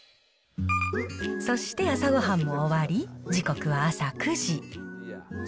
そして朝ごはんも終わり、時刻は朝９時。